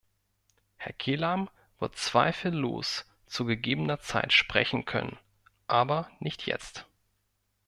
Herr Kelam wird zweifellos zu gegebener Zeit sprechen können, aber nicht jetzt.